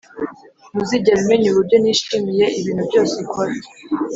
ntuzigera umenya uburyo nishimiye ibintu byose ukora.